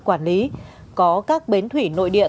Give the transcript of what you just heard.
quản lý có các bến thủy nội địa